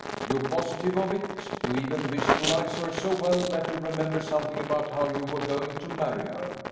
You're positive of it. You even visualize her so well, that you remember something about how you were going to marry her."